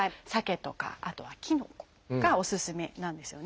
あとはきのこがおすすめなんですよね。